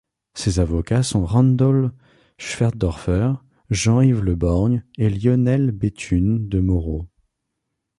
Ses avocats sont Randall Schwerdorffer, Jean-Yves Le Borgne et Lionel Bethune de Moro.